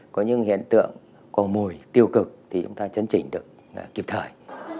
có những hiện tượng có mùi tiêu cực thì chúng ta chấn chỉnh được kịp thời